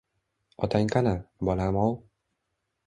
— Otang qani, bolam-ov?